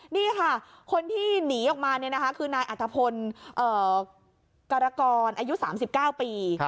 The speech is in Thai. นี่ค่ะคนที่หนีออกมานี่นะคะคือนายอัฐพนธ์กรกรอายุ๓๙ปี